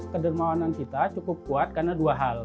kedermawanan kita cukup kuat karena dua hal